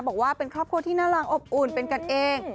บอกว่าเป็นครอบครัวที่น่ารังอบอุ่นเป็นกันเอง